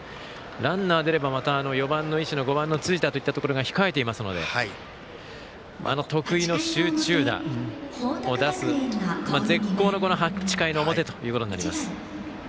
ランナー出れば、また４番の石野５番の辻田と控えていますので得意の集中打を出す絶好の８回の表ということになります。